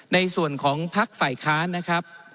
ในส่วนของภัคสร์ไปค้านะครับ